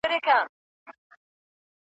د پیربابا زیارت دی `